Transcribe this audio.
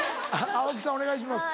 青木さんお願いします。